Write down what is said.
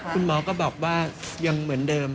คุณหมอก็บอกว่ายังเหมือนเดิม